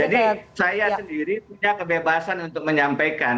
jadi saya sendiri punya kebebasan untuk menyampaikan